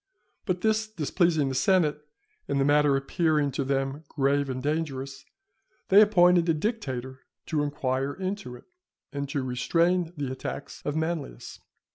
But this displeasing the senate, and the matter appearing to them grave and dangerous, they appointed a dictator to inquire into it, and to restrain the attacks of Manlius.